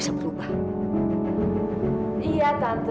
saudara bukan pasihan